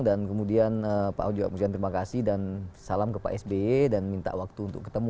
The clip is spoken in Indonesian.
dan kemudian pak ahok juga mengucapkan terima kasih dan salam ke pak sbe dan minta waktu untuk ketemu